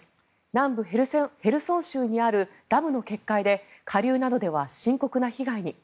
南部ヘルソン州にあるダムの決壊で下流などでは深刻な被害に。